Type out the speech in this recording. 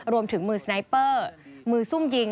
รวมถึงมือสไนเปอร์มือซุ่มยิง